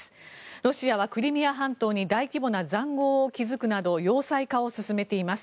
ロシアはクリミア半島に大規模な塹壕を築くなど要塞化を進めています。